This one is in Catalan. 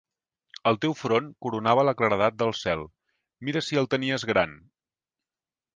El teu front coronava la claredat del cel. Mira si el tenies gran!